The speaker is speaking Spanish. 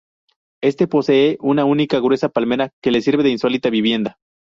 Éste posee una única y gruesa palmera que sirve de insólita vivienda.